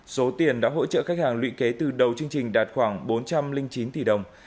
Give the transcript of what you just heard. số tiền đã hỗ trợ khách hàng luyện kế từ đầu chương trình đạt khoảng bốn trăm linh chín tỷ đồng